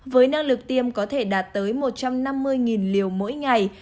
với năng lực tiêm có thể đạt tới một trăm năm mươi liều mỗi ngày